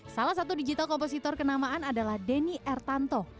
salah satu digital kompositor kenamaan adalah denny ertanto